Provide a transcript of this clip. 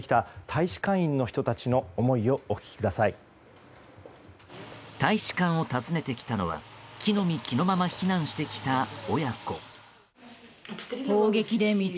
大使館を訪ねてきたのは着の身着のまま避難してきた親子。